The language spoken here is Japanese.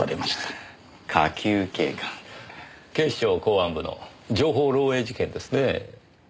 警視庁公安部の情報漏えい事件ですねぇ。